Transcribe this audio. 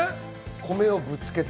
米をぶつけた。